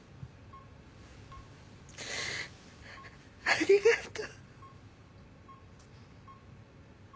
ありがとう。